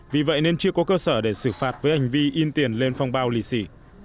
vì vậy nên chưa có cơ sở để xử phạt với hành vi in tiền lên phong bao lì xì